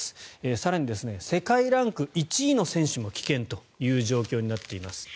更に、世界ランク１位の選手も棄権という状況になっています。